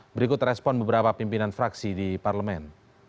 berikut respon beberapa pimpinan fraksi di parlemen